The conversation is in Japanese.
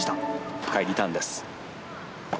深いリターンです。